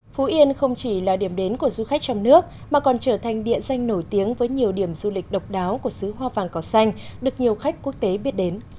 phú yên không chỉ là điểm đến của du khách trong nước mà còn trở thành địa danh nổi tiếng với nhiều điểm du lịch độc đáo của xứ hoa vàng cỏ xanh được nhiều khách quốc tế biết đến